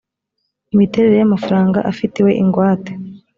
imiterere y amafaranga afitiwe ingwate